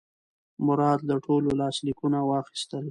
مراد له ټولو لاسلیکونه واخیستل.